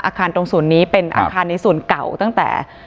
อาคารตรงศูนย์นี้เป็นอาคารในศูนย์เก่าตั้งแต่